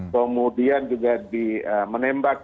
kemudian juga di menembak